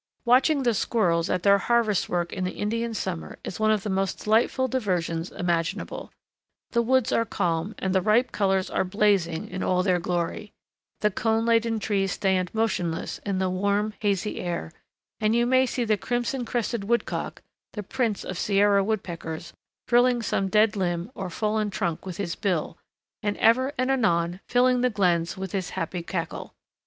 Watching the squirrels at their harvest work in the Indian summer is one of the most delightful diversions imaginable. The woods are calm and the ripe colors are blazing in all their glory; the cone laden trees stand motionless in the warm, hazy air, and you may see the crimson crested woodcock, the prince of Sierra woodpeckers, drilling some dead limb or fallen trunk with his bill, and ever and anon filling the glens with his happy cackle.